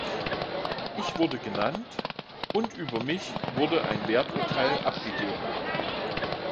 Ich wurde genannt, und über mich wurde ein Werturteil abgegeben.